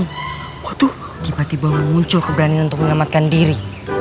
waktu tiba tiba muncul keberanian untuk menyelamatkan diri